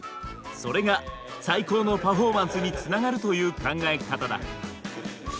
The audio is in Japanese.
それが最高のパフォーマンスにつながるという考え方だ。